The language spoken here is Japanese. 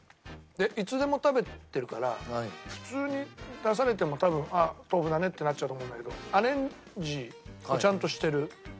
でいつでも食べてるから普通に出されても多分あっ豆腐だねってなっちゃうと思うんだけどアレンジをちゃんとしてる感はたっぷり。